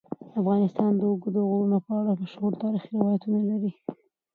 افغانستان د اوږده غرونه په اړه مشهور تاریخی روایتونه لري.